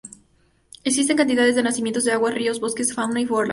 Existen cantidades de nacimientos de agua, ríos, bosques, fauna y flora.